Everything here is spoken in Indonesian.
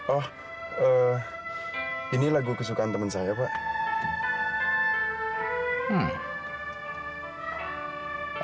oh ini lagu kesukaan teman saya pak